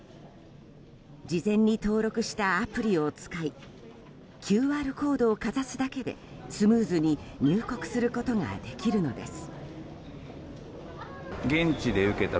事前に登録したアプリを使いＱＲコードをかざすだけでスムーズに入国することができるのです。